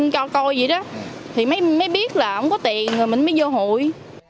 cho coi gì đó thì mới biết là ổng có tiền rồi mình mới vô hội